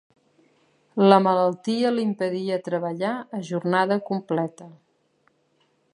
La malaltia l'impedia treballar a jornada completa.